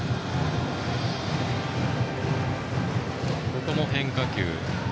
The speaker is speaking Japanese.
ここも変化球。